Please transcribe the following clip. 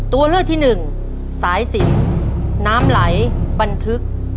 ตัวเลือกที่หนึ่งสายสินน้ำไหลบันทึก